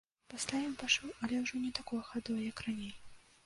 Пасля ён пайшоў, але ўжо не такой хадой, як раней.